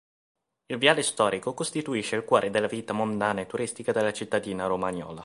Il viale storico costituisce il cuore della vita mondana e turistica della cittadina romagnola.